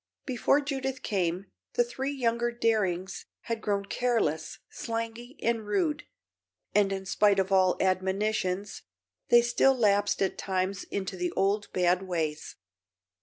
Before Judith came, the three younger Darings had grown careless, slangy and rude, and in spite of all admonitions they still lapsed at times into the old bad ways.